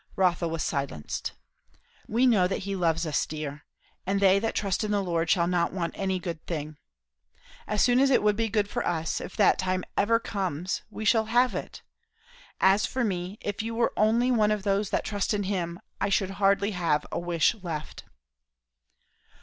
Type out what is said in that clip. Rotha was silenced. "We know that he loves us, dear; and 'they that trust in the Lord shall not want any good thing.' As soon as it would be good for us, if that time ever comes, we shall have it. As for me, if you were only one of those that trust in him, I should hardly have a wish left."